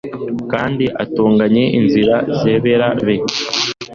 Kandi atunganye inzira zabera be